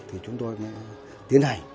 thì chúng tôi mới tiến hành